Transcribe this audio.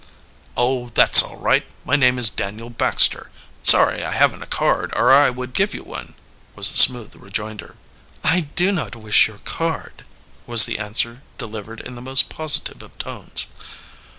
"Oh, that's all right. My name is Daniel Baxter. Sorry I haven't a card, or I would give you one," was the smooth rejoinder. "I do not wish your card," was the answer delivered in the most positive of tones.